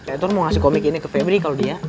edward mau ngasih komik ini ke febri kalau dia